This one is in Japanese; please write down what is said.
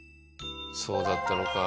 そうだったのか。